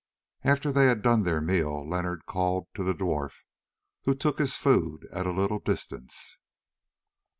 After they had done their meal Leonard called to the dwarf, who took his food at a little distance.